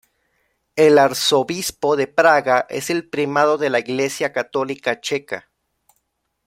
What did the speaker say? El arzobispo de Praga es el Primado de la Iglesia católica checa.